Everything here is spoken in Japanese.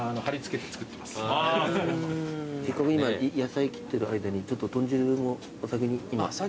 せっかく今野菜切ってる間にちょっと豚汁もお先に今頂きましょうかね。